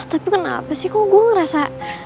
tapi kenapa sih kok gue ngerasa